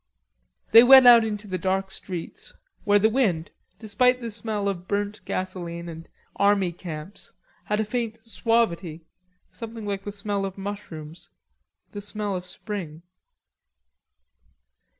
They went out into the dark streets, where the wind, despite the smell of burnt gasolene and army camps, had a faint suavity, something like the smell of mushrooms; the smell of spring.